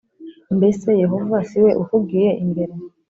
Mbese Yehova si we ukugiye imbere